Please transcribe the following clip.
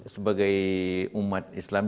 sebagai umat islam